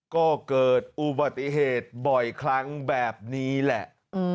ก็เกิดอุบัติเหตุบ่อยครั้งแบบนี้แหละ